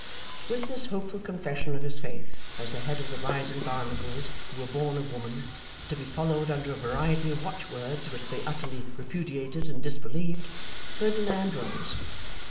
With this hopeful confession of his faith as the head of the rising Barnacles who were born of woman, to be followed under a variety of watchwords which they utterly repudiated and disbelieved, Ferdinand rose.